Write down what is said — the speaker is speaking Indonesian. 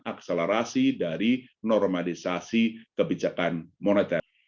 akselerasi dari normalisasi kebijakan moneter